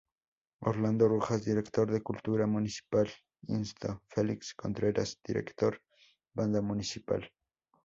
Orlando Rojas Director de Cultura Municipal, lcdo Felix Contreras Director Banda Municipal.